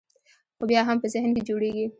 خو بیا هم په ذهن کې جوړېږي.